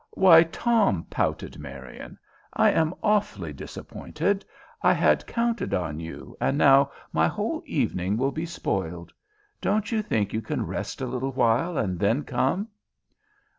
"Why, Tom," pouted Marian, "I am awfully disappointed! I had counted on you, and now my whole evening will be spoiled. Don't you think you can rest a little while, and then come?"